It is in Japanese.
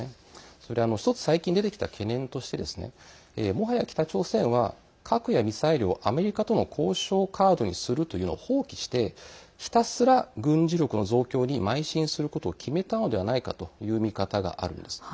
それで１つ最近、出てきた懸念としてもはや北朝鮮は核やミサイルをアメリカとの交渉カードにするというのを放棄してひたすら軍事力の増強にまい進することを決めたのではないかという見方があるんです。